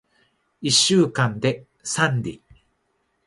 一週間で三里